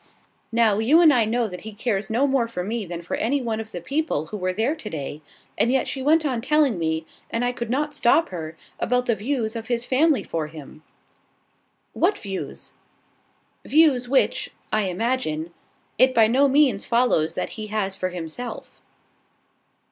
Now, you and I know that he cares no more for me than for any one of the people who were there to day; and yet she went on telling me, and I could not stop her, about the views of his family for him!" "What views?" "Views which, I imagine, it by no means follows that he has for himself.